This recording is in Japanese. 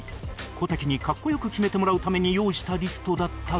小瀧に格好良く決めてもらうために用意したリストだったが